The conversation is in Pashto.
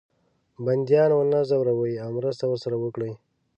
بندیان ونه زوروي او مرسته ورسره وکړي.